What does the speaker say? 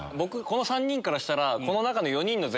この３人からしたら。